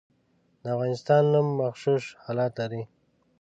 د افغانستان نوم مغشوش حالت لري.